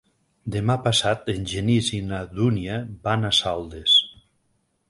Demà passat en Genís i na Dúnia van a Saldes.